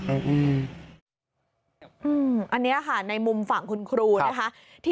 อันนี้ค่ะในมุมฝั่งคุณครูนะคะ